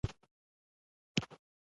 نننی انسان او نننۍ نړۍ سم وپېژنو.